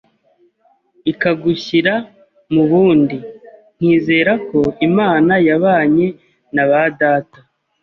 ikagushyira mu bundi, nkizerako Imana yabanye na ba data